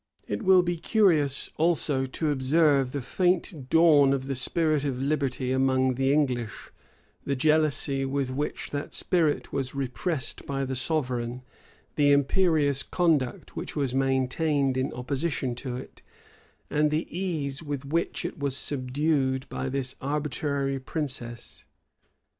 It will be curious also to observe the faint dawn of the spirit of liberty among the English, the jealousy with which that spirit was repressed by the sovereign, the imperious conduct which was maintained in opposition to it, and the ease with which it was subdued by this arbitrary princess.